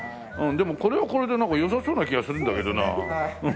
でもこれはこれでなんかよさそうな気がするんだけどな。